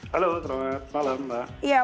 halo selamat malam mbak